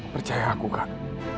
percaya aku kak